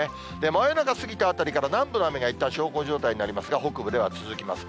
真夜中過ぎたあたりから南部の雨がいったん小康状態になりますが、北部では続きます。